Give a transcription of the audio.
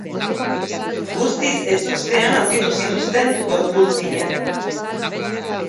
Guztiz ezustean aurkitu zituzten gorpuzkinak.